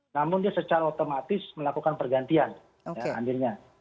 namun dia secara otomatis melakukan pergantian ya akhirnya